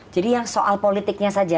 jadi yang soal politiknya saja